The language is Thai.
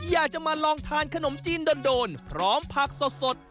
อยากจะมาลองทานขนมจีนโดนพร้อมผักสด